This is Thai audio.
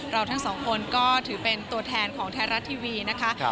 เราทั้งสองคนก็ถือเป็นตัวแทนของไทยรัฐทีวีนะคะ